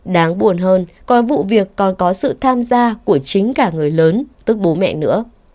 đáng buồn hơn coi vụ việc còn có sự tham gia của chính cả người lớn tức bố mẹ nữa